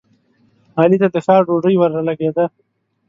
علي ته د ښار ډوډۍ ورلګېده.